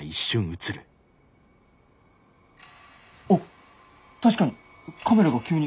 あっ確かにカメラが急に。